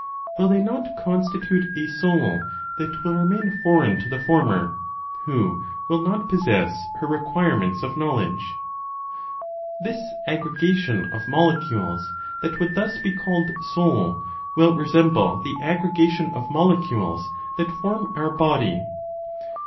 Will they not constitute a soul that will remain foreign to the former, who will not possess her requirements of knowledge? This aggregation of molecules that would thus be called soul will resemble the aggregation of molecules that form our body.